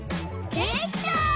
できた！